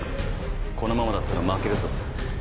このままだったら負けるぞ。